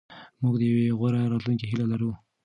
موږ د یوې غوره راتلونکې هیله لرو.